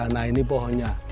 nah ini pohonnya